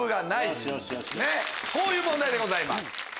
こういう問題でございます。